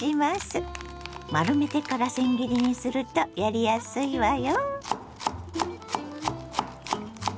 丸めてからせん切りにするとやりやすいわよ。